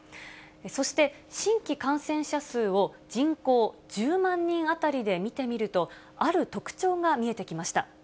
そして新規感染者数を人口１０万人当たりで見てみると、ある特徴が見えてきました。